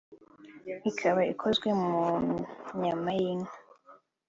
ikaba ikozwe mu nyama y’inka